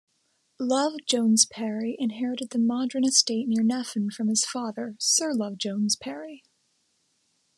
Love Jones-Parry inherited the Madryn estate near Nefyn from his father, Sir Love Jones-Parry.